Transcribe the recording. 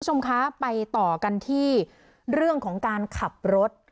คุณผู้ชมคะไปต่อกันที่เรื่องของการขับรถ